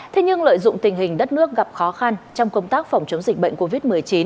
thế nhưng lợi dụng tình hình đất nước gặp khó khăn trong công tác phòng chống dịch bệnh covid một mươi chín